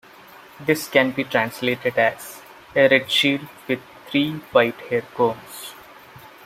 This can be translated as: a red shield with three white hair combs.